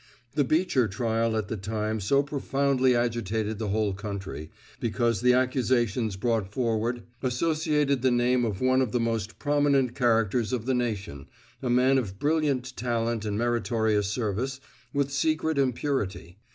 The Beecher trial at the time so profoundly agitated the whole country, because the accusations brought forward associated the name of one of the most prominent characters of the nation, a man of brilliant talent and meritorious service, with secret impurity.